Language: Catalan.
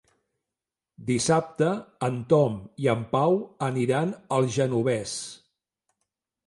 Dissabte en Tom i en Pau aniran al Genovés.